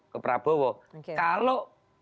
pak prabowo kalau